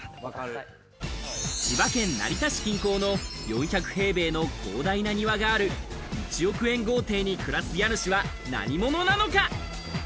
千葉県・成田市近郊の４００平米の広大な庭がある１億円豪邸に暮らす家主は何者なのか？